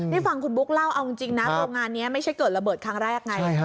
นี่ฟังคุณบุ๊กเล่าเอาจริงนะโรงงานนี้ไม่ใช่เกิดระเบิดครั้งแรกไง